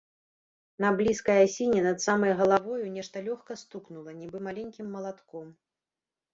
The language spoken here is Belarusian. На блізкай асіне над самай галавою нешта лёгка стукнула, нібы маленькім малатком.